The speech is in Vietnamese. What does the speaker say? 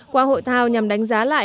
qua hội thao nhằm đánh giá lại